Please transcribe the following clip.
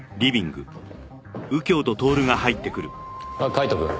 カイトくん。